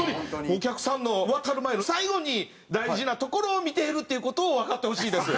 お客さんの渡る前の最後に大事なところを見ているっていう事をわかってほしいです。